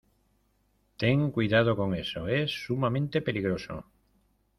Ten cuidado con eso. Es sumamente peligroso .